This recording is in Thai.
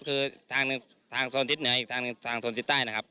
คือทางโซนทิศเหนืออีกทางหนึ่งทางโซนทิศใต้นะครับ